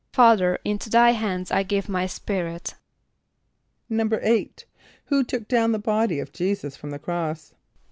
="Father, into thy hands I give my spirit."= =8.= Who took down the body of J[=e]´[s+]us from the cross?